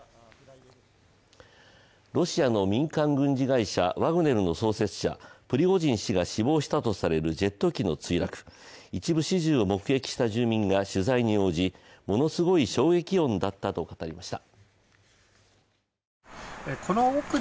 ロシアの民間軍事会社ワグネルの創設者、プリコジン氏が死亡したとされるジェット機の墜落、一部始終を目撃した住民が取材に応じものすごい衝撃音だったと答えました。